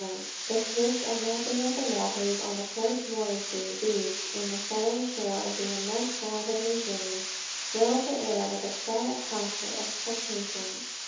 The swish and lapping of the waters on the Port Moresby beach on the southern shore of the immense island of New Guinea, filled the air with a quiet hush of expectation.